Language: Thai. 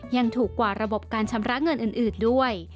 ยังถูกกว่าระบบการชำระเงินอื่นด้วย